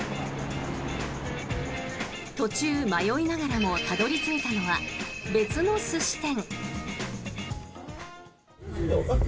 途中、迷いながらもたどり着いたのは別の寿司店。